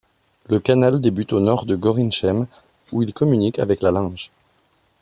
Le canal débute au nord de Gorinchem où il communique avec la Linge.